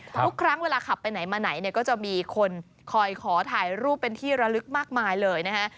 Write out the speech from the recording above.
ทุกครั้งเวลาขับไปไหนมาไหนเนี่ยก็จะมีคนคอยขอถ่ายรูปเป็นที่ระลึกมากมายเลยนะฮะ